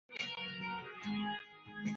আমাদের উপর দিয়ে কি যায় সেটা কেউ বুঝতে পারে না।